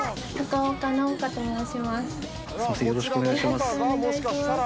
よろしくお願いします。